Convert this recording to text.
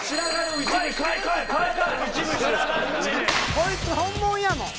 こいつ本物やもん。